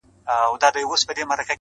o وروري به کوو، حساب تر منځ٫